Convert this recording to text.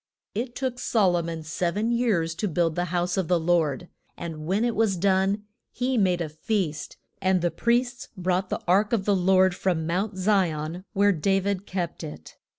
It took Sol o mon sev en years to build the house of the Lord; and when it was done he made a feast, and the priests brought the ark of the Lord from Mount Zi on where Da vid kept it.